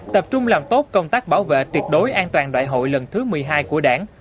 tập trung làm tốt công tác bảo vệ tuyệt đối an toàn đại hội lần thứ một mươi hai của đảng